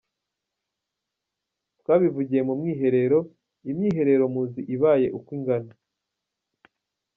Twabivugiye mu mwiherero, imyiherero muzi ibaye uko ingana.